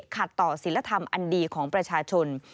ขัดต่อศิลธรรมอันดีของประชาชน